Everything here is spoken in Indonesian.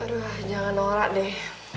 aduh jangan norak deh